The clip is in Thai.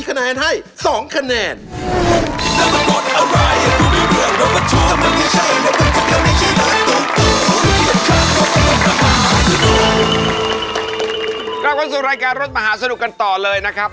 เข้าสู่รายการรถมหาสนุกกันต่อเลยนะครับ